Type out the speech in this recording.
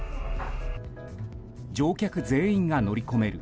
乗客全員が乗り込める